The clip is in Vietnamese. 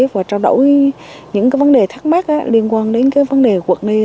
và trao đổi những vấn đề thắc mắc liên quan đến vấn đề quật này